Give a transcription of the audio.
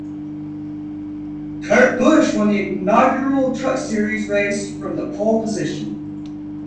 Kurt Busch won the inaugural Truck Series race from the pole position.